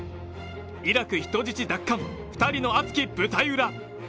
イラク・人質奪還２人の熱き舞台裏。